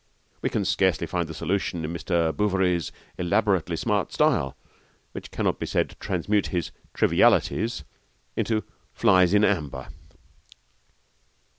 We can scarcely find the solution in Mr. Bouverie's elaborately smart style which cannot be said to transmute his 'trivialities' into 'flies in amber.'